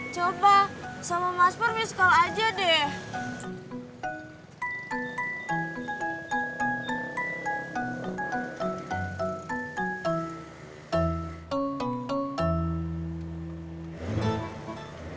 coba sama mas pur miskol aja deh